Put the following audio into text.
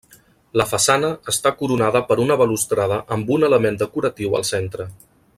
La façana està coronada per una balustrada amb un element decoratiu al centre.